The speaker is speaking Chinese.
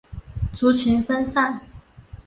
族群分散。